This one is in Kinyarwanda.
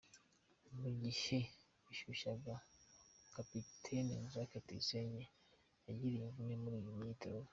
Mu gihe bishyushaga kapiteni Jacques Tuyisenge yagiriye imvune muri iyi myitozo.